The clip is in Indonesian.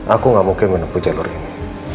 aku gak mungkin menempuh jalur ini